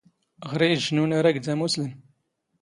ⵖⵔⵉ ⵉⵊⵊ ⵏ ⵓⵏⴰⵔⴰⴳ ⴷ ⴰⵎⵓⵙⵍⵎ.